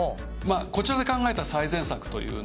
こちらで考えた最善策というのは。